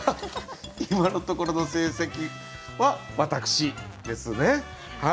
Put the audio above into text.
今のところの成績は私ですね。